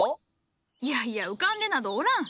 いやいや浮かんでなどおらん。